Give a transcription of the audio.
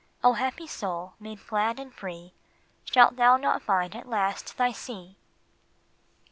O happy soul ! made glad, made free, Shalt thou not find at last thy sea